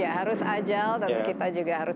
ya harus ajal dan kita juga harus